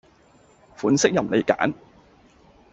款式任你揀